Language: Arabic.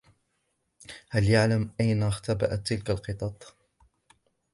هل يعلم أين اختبأت تلك القطط؟